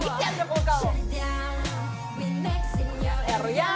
この顔。